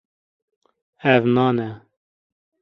Ev nan e.